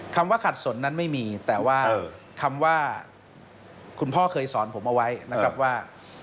คำว่าขัดสนนั้นไม่มีแต่ว่าคำว่าคุณพ่อเคยสอนผมเอาไว้นะครับว่า